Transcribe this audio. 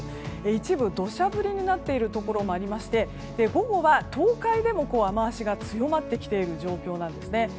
一部、土砂降りになっているところもありまして午後は東海でも雨脚が強まってきている状況なんですね。